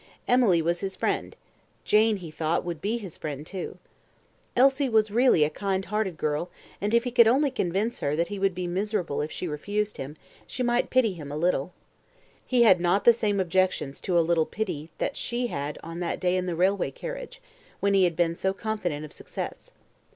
Emily was his friend; Jane, he thought, would be his friend too. Elsie was really a kind hearted girl, and if he could only convince her that he would be miserable if she refused him, she might pity him a little. He had not the same objections to a little pity that she had on that day in the railway carriage, when he had been so confident of success.